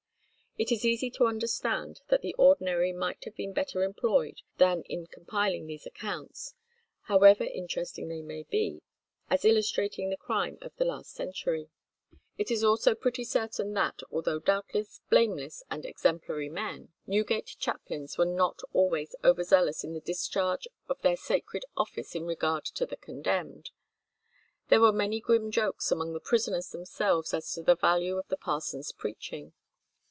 It is easy to understand that the ordinary might have been better employed than in compiling these accounts, however interesting they may be, as illustrating the crime of the last century. It is also pretty certain that, although, doubtless, blameless and exemplary men, Newgate chaplains were not always over zealous in the discharge of their sacred office in regard to the condemned. There were many grim jokes among the prisoners themselves as to the value of the parson's preaching.